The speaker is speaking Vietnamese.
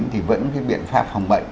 thì vẫn cái biện pháp phòng bệnh